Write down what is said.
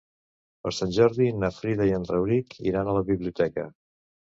Per Sant Jordi na Frida i en Rauric iran a la biblioteca.